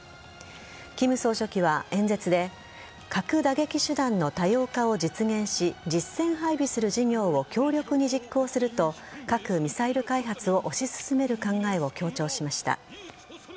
金総書記は演説で核打撃手段の多様化を実現し実戦配備する事業を強力に実行すると核・ミサイル開発を推し進める考えを強調しました。